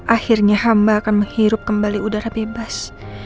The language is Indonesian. akhirnya hamba akan menghirup kembali udara bebas